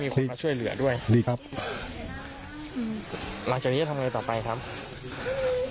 ไม่มีคนมาช่วยเหลือด้วยดีครับหลังจากนี้จะทำอะไรต่อไปครับ